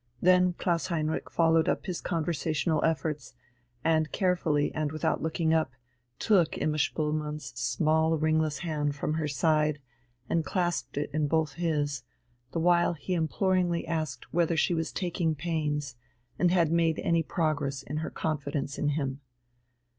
Then Klaus Heinrich followed up his conversational efforts, and, carefully and without looking up, took Imma Spoelmann's small, ringless hand from her side and clasped it in both his, the while he imploringly asked whether she was taking pains, and had made any progress in her confidence in him.